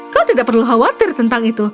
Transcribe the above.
kau tidak perlu khawatir tentang itu